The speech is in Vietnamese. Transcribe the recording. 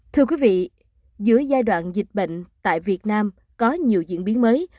thưa quý vị giữa giai đoạn dịch bệnh tại việt nam có nhiều diễn biến mới